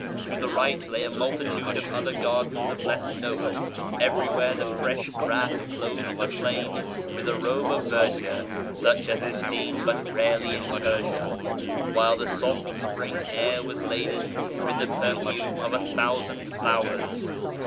To the right lay a multitude of other gardens of less note; FROM ISFAHAN TO SHIrAZ 261 everywhere the fresh grass clothed the plain with a robe of verdure such as is seen but rarely in Persia ; while the soft spring air was laden with the perfume of a thousand flowers.